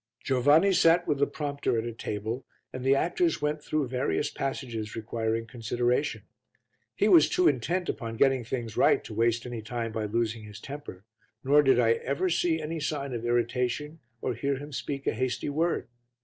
Giovanni sat with the prompter at a table and the actors went through various passages requiring consideration. He was too intent upon getting things right to waste any time by losing his temper, nor did I ever see any sign of irritation or hear him speak a hasty word.